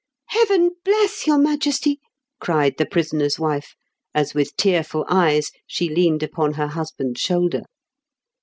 "Heaven bless your Majesty!" cried the prisoner's wife, as with tearful eyes she leaded upon her husband's shoulder.